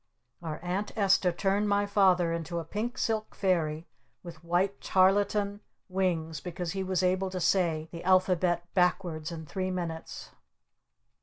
Our Aunt Esta turned my Father into a Pink Silk Fairy with White Tarlatan Wings because he was able to say the Alphabet backwards in three minutes!